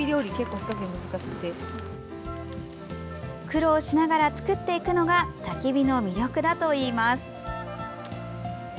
苦労しながら作っていくのがたき火の魅力だといいます。